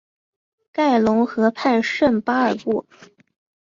盖隆河畔圣巴尔布。